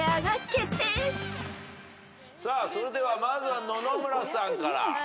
それではまずは野々村さんから。